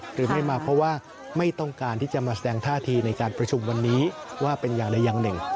หรือไม่มาเพราะว่าไม่ต้องการที่จะมาแสดงท่าทีในการประชุมวันนี้ว่าเป็นอย่างใดอย่างหนึ่ง